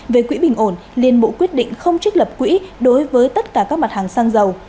về quỹ bình ổn liên bộ quyết định không trích lập quỹ đối với tất cả các mặt hàng xăng dầu